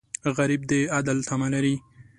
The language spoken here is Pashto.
غریب د عدل تمه لري